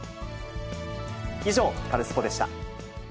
以上、カルスポっ！でした。